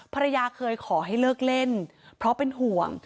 ภรรยาเคยขอให้เลิกเล่นเพราะเป็นห่วง